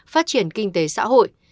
phát triển kinh tế xã hội